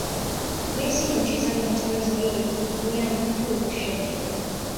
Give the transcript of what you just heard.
messi ni mchezaji hatari zaidi kwa kutumia mguu wa kushoto